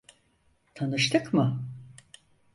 Tanıştık mı?